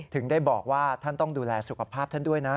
ถึงได้บอกว่าท่านต้องดูแลสุขภาพท่านด้วยนะ